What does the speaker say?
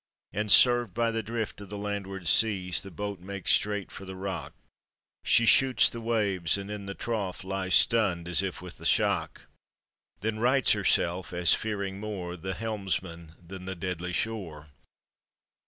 And, served by the drift of the landward seas, The boat makes straight for the rock; She shoots the waves, and in the trough Lies stunned as if with the shock; Then rights herself as fearing more The helmsman than the deadly shore.